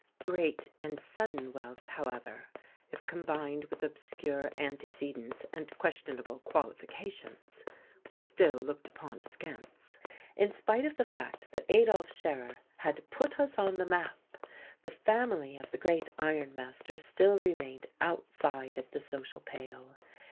Great and sudden wealth, however, if combined with obscure antecedents and questionable qualifications, was still looked upon askance. In spite of the fact that Adolf Scherer had "put us on the map," the family of the great iron master still remained outside of the social pale.